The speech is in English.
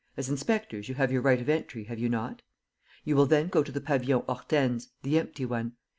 As inspectors, you have your right of entry, have you not? You will then go to the Pavillon Hortense, the empty one.